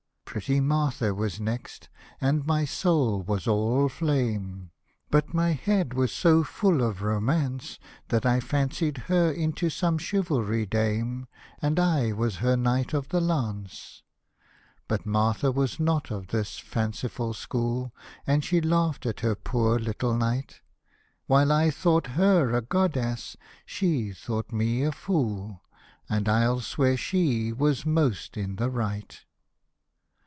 Hosted by Google THE CATALOGUE 67 Pretty Martha was next, and my soul was all flame, But my head was so full of romance, That 1 fancied her into some chivalry dame, And I was her knight of the lance. But Martha was not of this fanciful school. And she laughed at her poor little knight ; While I thought her a goddess, she thought me a fool, And I'll swear she was most in the right.